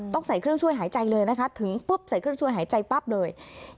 ใส่เครื่องช่วยหายใจเลยนะคะถึงปุ๊บใส่เครื่องช่วยหายใจปั๊บเลย